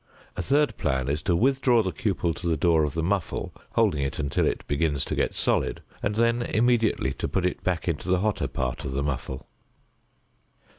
A third plan is to withdraw the cupel to the door of the muffle, holding it until it begins to get solid and then immediately to put it back into the hotter part of the muffle.